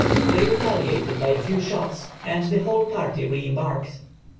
They retaliated by a few shots, and the whole party re embarked.